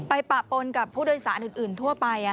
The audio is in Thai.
ปะปนกับผู้โดยสารอื่นทั่วไป